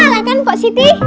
salah kan pak siti